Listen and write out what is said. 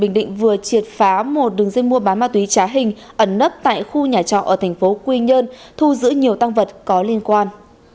bình định vừa triệt phá một đường dây mua bán ma túy trá hình ẩn nấp tại khu nhà trọ ở thành phố quy nhơn thu giữ nhiều tăng vật có liên quan